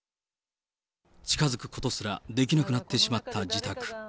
近づくことすらできなくなってしまった自宅。